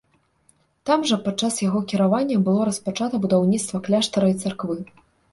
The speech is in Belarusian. Там жа падчас яго кіравання было распачата будаўніцтва кляштара і царквы.